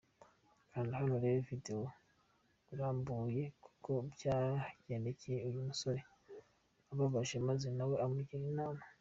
Kanda hano Urebe Video irambuye uko byagendekeye uyu musore ubabaje maze nawe umugire inama.